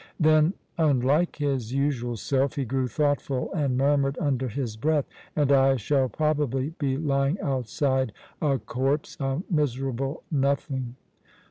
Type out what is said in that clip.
Then, unlike his usual self, he grew thoughtful and murmured under his breath, "And I shall probably be lying outside a corpse, a miserable nothing."